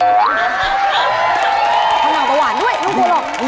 ทำหว่างก็หว่านด้วยนุ่นตัวหรอก